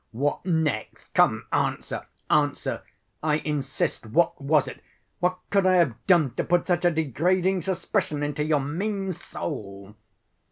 "What next! Come answer, answer, I insist: what was it ... what could I have done to put such a degrading suspicion into your mean soul?"